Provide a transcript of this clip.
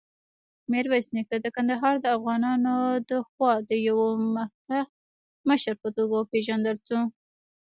میرویس نیکه د کندهار دافغانانودخوا د یوه مخکښ مشر په توګه وپېژندل شو.